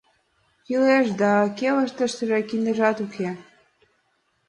— Кӱлеш да... кевытыште киндыжат уке.